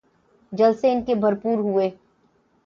جلسے ان کے بھرپور ہوئے ہیں۔